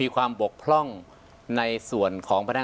อันดับที่สุดท้าย